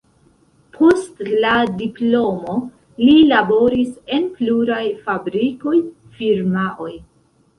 Post la diplomo li laboris en pluraj fabrikoj, firmaoj.